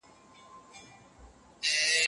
که نجونې شکرګزارې وي نو ناشکري به نه وي.